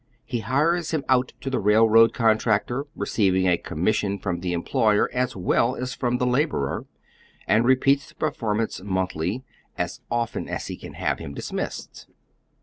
He hires him out to tlie railroad contractor, receiving a commission from the em ployer as well as from the laborer, and repeats tlie perform ance monthly, or as often as he can have him dismissed.